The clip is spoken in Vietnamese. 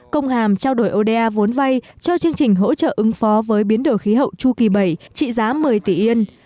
công hàm trao đổi oda vốn vay cho chương trình hỗ trợ ứng phó với biến đổi khí hậu chu kỳ bảy trị giá một mươi tỷ yên